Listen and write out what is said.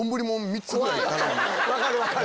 分かる分かる！